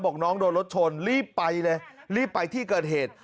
บอกน้องโดนรถชนรีบไปเลยรีบไปที่เกิดเหตุ